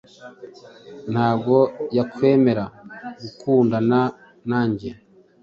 ntago yakwemera gukundana nanjye